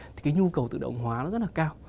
thì nhu cầu tự động hóa rất là cao